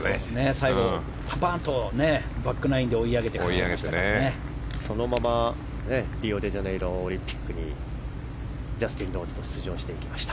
最後パパンとバックナインでそのままリオデジャネイロオリンピックにジャスティン・ローズと出場していきました。